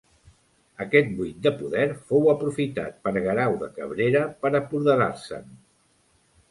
Aquest buit de poder fou aprofitat per Guerau de Cabrera per apoderar-se'n.